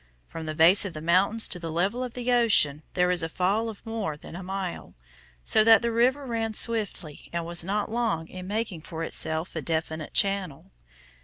From the base of the mountains to the level of the ocean there is a fall of more than a mile, so that the river ran swiftly and was not long in making for itself a definite channel.